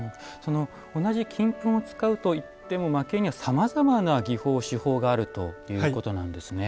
同じ金粉を使うといっても蒔絵にはさまざまな技法手法があるということなんですね。